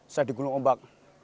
saya digunung ombak